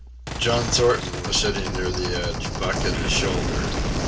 John Thornton was sitting near the edge, Buck at his shoulder.